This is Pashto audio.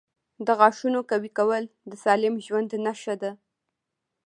• د غاښونو قوي کول د سالم ژوند نښه ده.